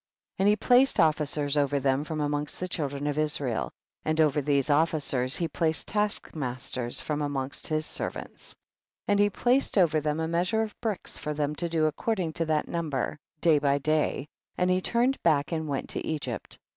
10. And he placed officers over them from amongst the children of Israel, and over these officers he placed taskmasters from amongst his servants. 1 1 . And he placed over them a measure of bricks for them to do ac cording to that number, day by da}^, and he turned back and went to Egypt. 12.